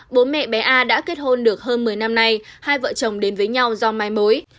bố mẹ bé a đã kết hôn được hơn một mươi năm nay hai vợ chồng đến với nhau do mai mối